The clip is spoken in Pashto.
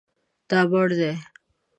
دا مړ دی